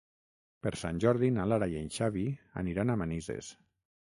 Per Sant Jordi na Lara i en Xavi aniran a Manises.